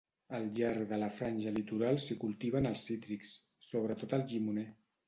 Al llarg de la franja litoral s'hi cultiven els cítrics, sobretot el llimoner.